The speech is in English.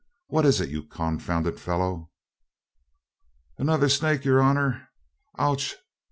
"What is it, you confounded fellow?" "Another snake, yer hanner! Och!